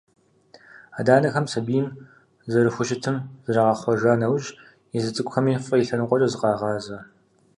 Адэ-анэхэм сабийм зэрыхущытым зрагъэхъуэжа нэужь, езы цӀыкӀухэми фӀы и лъэныкъуэкӀэ зыкъагъазэ.